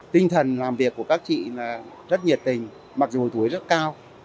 tinh thần làm việc của các chị là rất nhiệt tình mặc dù tuổi rất cao